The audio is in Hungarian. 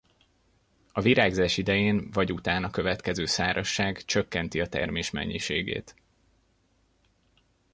A virágzás idején vagy utána következő szárazság csökkenti a termés mennyiségét.